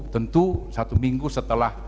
tentu satu minggu setelah